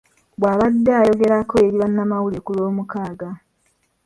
Bw'abadde ayogerako eri bannamawulire ku Lwomukaaga.